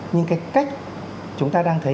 nhưng cái cách chúng ta đang thấy